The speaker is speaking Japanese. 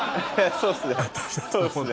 そうっすね。